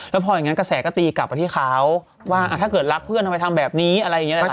แล้วพออย่างนั้นกระแสก็ตีกลับไปที่เขาว่าถ้าเกิดรักเพื่อนทำไมทำแบบนี้อะไรอย่างนี้นะครับ